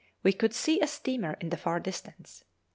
We could see a steamer in the far distance.